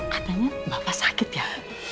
katanya bapak sakit ya